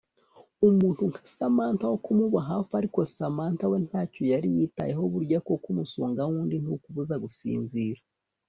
umuntu nka Samantha wo kumuba hafi ariko Samantha we ntacyo yari yitayeho burya koko umusonga wundi ntukubuza gusinzira